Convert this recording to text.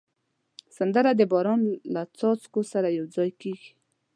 سندره د باران له څاڅکو سره یو ځای کېږي